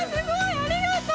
ありがとう！